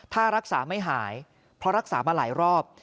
ถ้ารักษาไม่หายเพราะรักษามาหลายรอบ